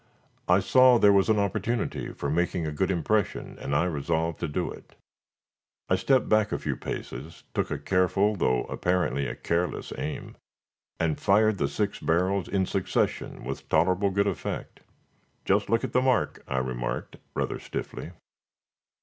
I saw there was an opportunity for making a good impression and I resolved to do it. I stepped back a few paces, took a careful, though apparently a careless aim, and fired the six barrels in succession with tolerable good effect. "Just look at the mark," I remarked, rather stiffly.